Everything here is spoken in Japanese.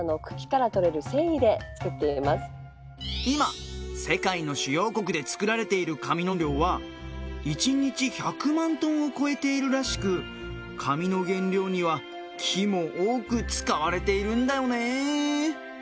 今、世界の主要国で作られている紙の量は１日１００万トンを超えているらしく紙の原料には木も多く使われているんだよね。